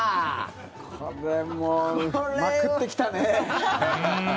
これ、もうまくってきたね。